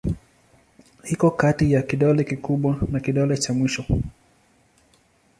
Iko kati ya kidole kikubwa na kidole cha mwisho.